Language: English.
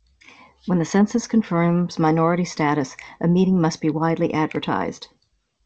When the census confirms minority status, a meeting must be widely advertised.